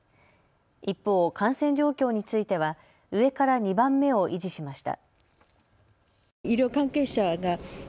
一方、感染状況については上から２番目を維持しました。